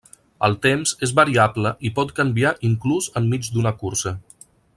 El temps és variable i pot canviar inclús enmig d'una cursa.